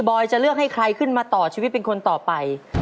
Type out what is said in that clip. อยจะเลือกให้ใครขึ้นมาต่อชีวิตเป็นคนต่อไป